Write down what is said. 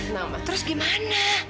nah terus gimana